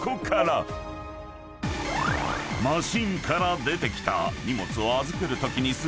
［マシンから出てきた］